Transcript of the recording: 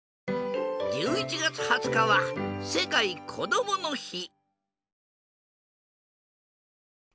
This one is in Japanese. １１月２０日は世界こどもの日。